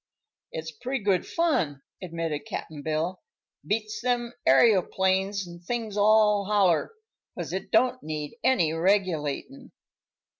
"It's pretty good fun," admitted Cap'n Bill. "Beats them aëroplanes an' things all holler, 'cause it don't need any regulatin'."